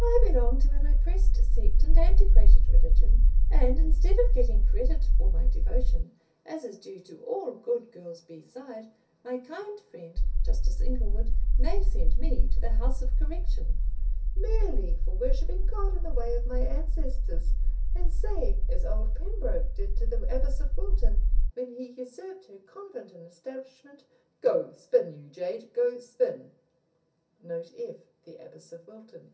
I belong to an oppressed sect and antiquated religion, and, instead of getting credit for my devotion, as is due to all good girls beside, my kind friend, Justice Inglewood, may send me to the house of correction, merely for worshipping God in the way of my ancestors, and say, as old Pembroke did to the Abbess of Wilton,* when he usurped her convent and establishment, 'Go spin, you jade, Go spin.'" * Note F. The Abbess of Wilton.